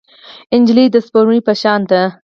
نجلۍ د سپوږمۍ په شان ده.